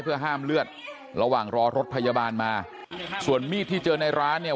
เพื่อห้ามเลือดระหว่างรอรถพยาบาลมาส่วนมีดที่เจอในร้านเนี่ย